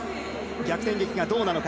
逆転劇がどうなのか。